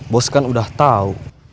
bos kan udah tahu